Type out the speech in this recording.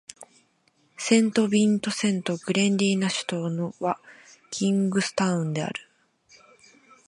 セントビンセント・グレナディーンの首都はキングスタウンである